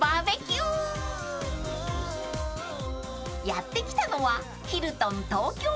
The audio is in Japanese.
［やって来たのは］